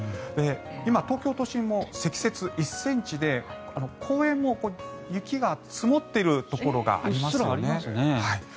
今、東京都心も積雪１ｃｍで公園も雪が積もっているところがありますね。